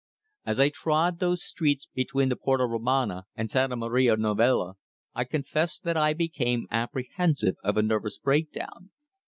As I trod those streets between the Porta Romana and Santa Maria Novella, I confess that I became apprehensive of a nervous breakdown.